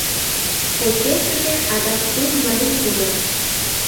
Почешыже адак кум марий пура.